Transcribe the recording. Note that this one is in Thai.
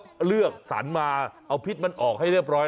ก็เลือกสรรมาเอาพิษมันออกให้เรียบร้อย